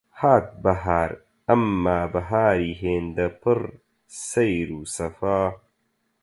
هات بەهار، ئەمما بەهاری هێندە پڕ سەیر و سەفا